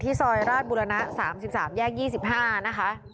ซอยราชบุรณะ๓๓แยก๒๕นะคะ